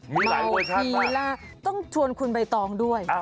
มีหลายประชาติป่ะมีแล้วต้องชวนคุณใบตองด้วย